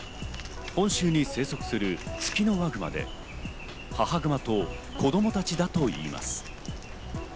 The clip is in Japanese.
本州に生息するツキノワグマで、母グマと子供たちだといいます。